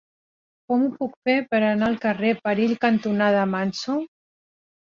Com ho puc fer per anar al carrer Perill cantonada Manso?